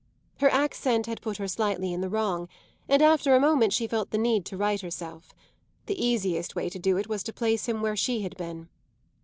Her accent had put her slightly in the wrong, and after a moment she felt the need to right herself. The easiest way to do it was to place him where she had been.